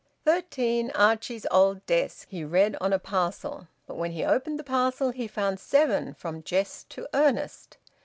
"Thirteen Archie's Old Desk," he read on a parcel, but when he opened the parcel he found seven "From Jest to Earnest."